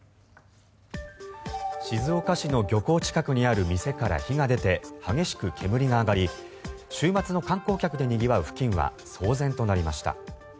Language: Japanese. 静岡市の漁港近くにある店から火が出て激しく煙が上がり週末の観光客でにぎわう付近は騒然となりました。